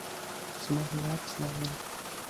زما هیواد زما مینه.